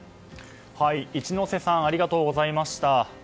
一之瀬さんありがとうございました。